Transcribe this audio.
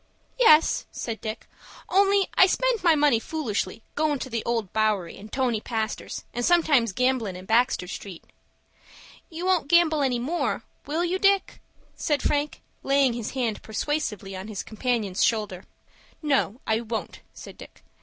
"Yes," said Dick; "only I spend my money foolish, goin' to the Old Bowery, and Tony Pastor's, and sometimes gamblin' in Baxter Street." "You won't gamble any more,—will you, Dick?" said Frank, laying his hand persuasively on his companion's shoulder. "No, I won't," said Dick.